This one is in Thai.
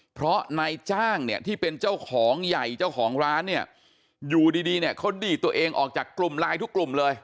เพราะนายจ้างเนี่ยที่เป็นเจ้าของใหญ่เจ้าของร้านเนี่ยอยู่ดีเนี่ยเขาดีดตัวเองออกจากกลุ่มไลน์ทุกกลุ่มเลย